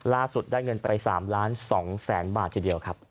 ได้เงินไป๓ล้าน๒แสนบาททีเดียวครับ